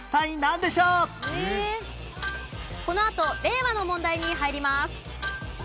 このあと令和の問題に入ります。